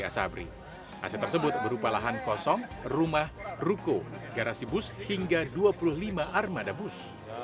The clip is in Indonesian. asapri aset tersebut berupa lahan kosong rumah ruko garasi bus hingga dua puluh lima armada bus